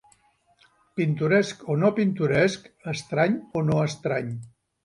Pintoresc o no pintoresc, estrany o no estrany.